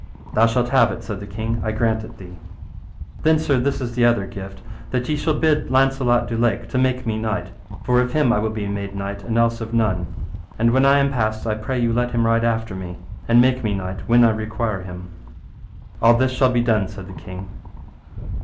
Thou shalt have it, said the king, I grant it thee. Then, sir, this is the other gift, that ye shall bid Launcelot du Lake to make me knight, for of him I will be made knight and else of none. And when I am passed I pray you let him ride after me, and make me knight when I require him. All this shall be done, said the king.